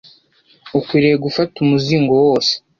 ukwiriye gufata umuzingo wose